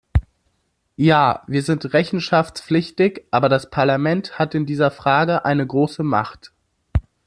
Ja, wir sind rechenschaftspflichtig, aber das Parlament hat in dieser Frage eine große Macht.